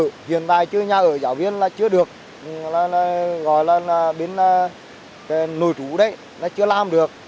ở hiện tại nhà ưu giáo viên là chưa được gọi là đến nội trú đấy chưa làm được